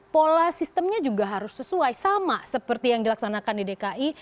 pola sistemnya juga harus sesuai sama seperti yang dilaksanakan di dki